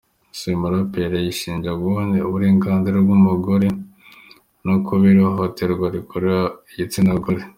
S’ y’uyu muraperi ayishinja guhonyora uburenganzira bw’umugore no kubiba ihohoterwa rikorerwa igitsinagore.